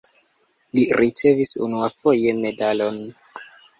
Li ricevis unuafoje medalon.